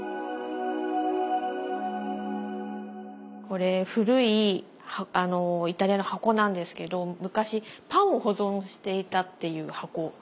これ古いイタリアの箱なんですけど昔パンを保存していたっていう箱。